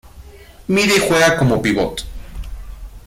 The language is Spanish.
Mide y juega como pívot.